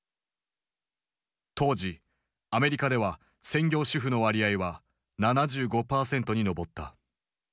当時アメリカでは専業主婦の割合は７５％に上った。